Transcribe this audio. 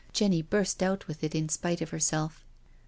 Jenny, burst out with it in spite of herself.